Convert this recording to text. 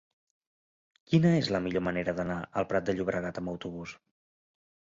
Quina és la millor manera d'anar al Prat de Llobregat amb autobús?